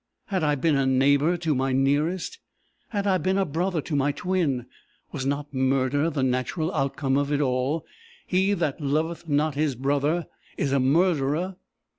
Had I been a neighbour to my nearest? Had I been a brother to my twin? Was not murder the natural outcome of it all? He that loveth not his brother is a murderer!